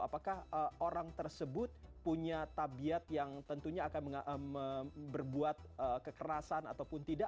apakah orang tersebut punya tabiat yang tentunya akan berbuat kekerasan ataupun tidak